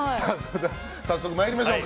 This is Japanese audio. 早速参りましょうか。